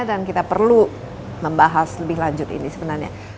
dan kita perlu membahas lebih lanjut ini sebenarnya